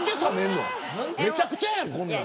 めちゃくちゃやん、こんなの。